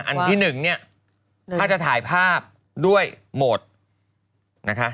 อันที่หนึ่งเนี่ยถ้าจะถ่ายภาพด้วยโหมดนะคะ